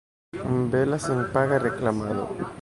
Bela senpaga reklamado.